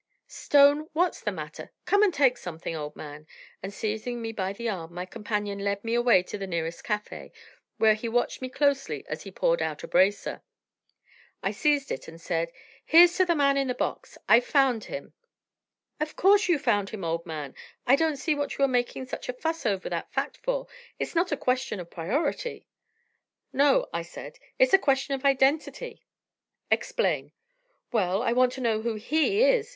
"Stone, what's the matter? Come and take something, old man" and seizing me by the arm, my companion led me away to the nearest café, where he watched me closely as he poured out a bracer. I seized it and said: "Here's to the man in the box! I've found him." "Of course you found him, old man. I don't see what you are making such a fuss over that fact for; it's not a question of priority." "No," I said, "it's a question of identity." "Explain." "Well, I want to know who he is.